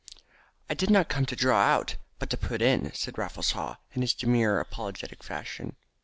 "I did not come to draw out, but to put in," said Raffles Haw in his demure apologetic fashion.